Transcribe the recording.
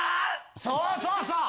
そうそうそう！